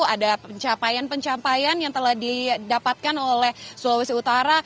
ada pencapaian pencapaian yang telah didapatkan oleh sulawesi utara